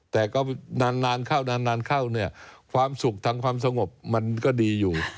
แต่ก็นานเข้านานเข้าเนี่ยความสุขทางความสงบมันก็ดีอยู่